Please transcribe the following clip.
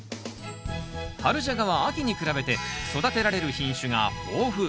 春ジャガは秋に比べて育てられる品種が豊富。